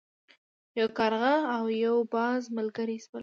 یو کارغه او یو باز ملګري شول.